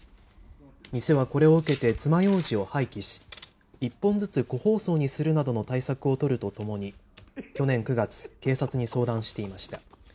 店はこれを受けてつまようじを廃棄し１本ずつ個包装にするなどの対策を取るとともに去年９月、警察に相談していました。